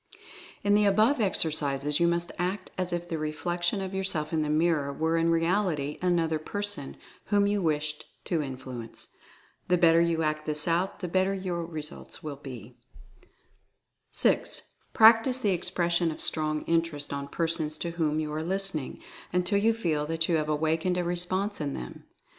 In the above exercises you must act as if the reflec tion of yourself in the mirror were in reality an other person whom you wished to influence. The bet ter you act this out, the better will your results be. 6. Practice the expression of Strong Interest on persons to whom you are listening, until you feel that you have awakened a response in them.